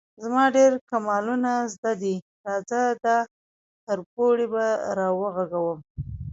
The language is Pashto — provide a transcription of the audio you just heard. _زما ډېر کمالونه زده دي، راځه، دا کربوړی به راوغږوم.